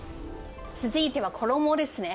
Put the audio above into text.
続いては衣ですね。